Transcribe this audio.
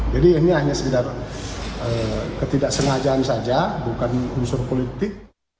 jadi ini hanya sekedar ketidaksengajaan saja bukan unsur politik